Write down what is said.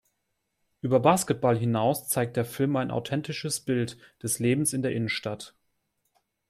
Über Basketball hinaus zeigt der Film ein authentisches Bild des Lebens in der Innenstadt.